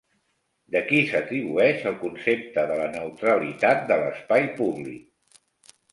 De qui s'atribueix el concepte de la neutralitat de l'espai públic?